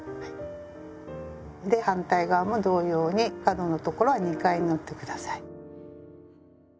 で反対側も同様に角の所は２回縫ってください。